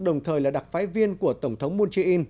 đồng thời là đặc phái viên của tổng thống moon jae in